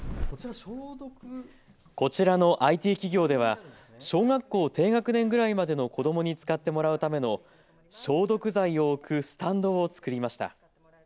こちらのＩＴ企業では小学校低学年ぐらいまでの子どもに使ってもらうための消毒剤を置くスタンドを作りました。